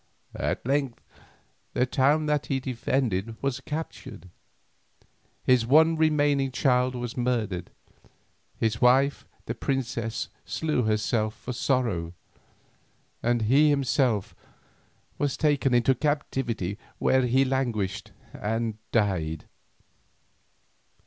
At length the town that he defended was captured, his one remaining child was murdered, his wife the princess slew herself for sorrow, and he himself was taken into captivity, where he languished and died."